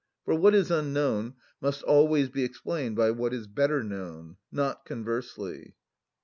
For what is unknown must always be explained by what is better known; not conversely.